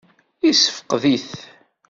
Yessefqed-it?